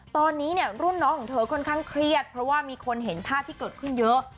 ตอนนี้เนี่ยรุ่นน้องของเธอค่อนข้างเครียดเพราะว่ามีคนเห็นภาพที่เกิดขึ้นเยอะ